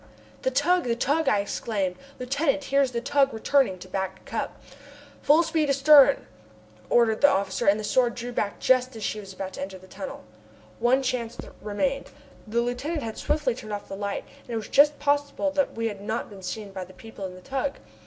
"The tug! The tug!" I exclaimed. "Lieutenant, here is the tug returning to Back Cup!" "Full speed astern," ordered the officer, and the Sword drew back just as she was about to enter the tunnel. One chance remained. The lieutenant had swiftly turned off the light, and it was just possible that we had not been seen by the people in the tug.